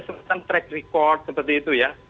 semacam track record seperti itu ya